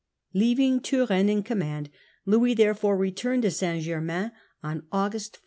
Leaving Turenne in command, Louis therefore returned to St. Germain on August 1.